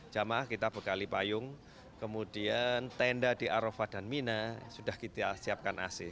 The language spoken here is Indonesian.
jemaah kita bekali payung kemudian tenda di arafah dan mina sudah kita siapkan ac